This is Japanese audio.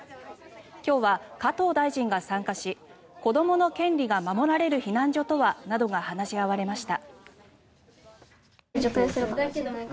今日は加藤大臣が参加し子どもの権利が守られる避難所とはなどが話し合われました。